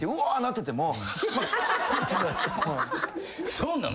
そうなの？